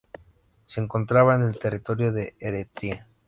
Se encontraba en territorio de Eretria.